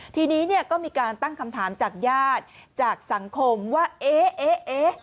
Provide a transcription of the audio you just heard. ทีนี้ก็มีการตั้งคำถามจากญาติจากสังคมว่าเอ๊ะ